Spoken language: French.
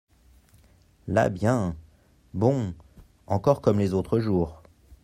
Là bien !… bon !… encore comme les autres jours…